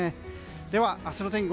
では明日の天気